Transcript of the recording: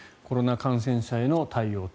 コロナ感染者への対応